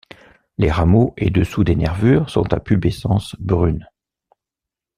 Les rameaux et dessous des nervures sont à pubescence brune.